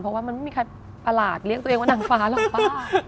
เพราะว่ามันไม่มีใครประหลาดเลี้ยงตัวเองว่านางฟ้าหรอกป้า